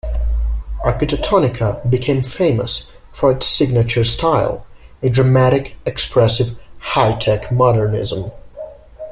Arquitectonica became famous for its signature style: a dramatic, expressive "high-tech" modernism.